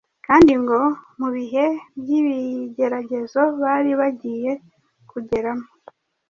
kandi ngo mu bihe by’ibigeragezo bari bagiye kugeramo